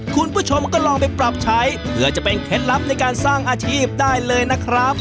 คุณผู้ชมก็ลองไปปรับใช้เพื่อจะเป็นเคล็ดลับในการสร้างอาชีพได้เลยนะครับ